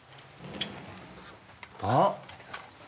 あっ！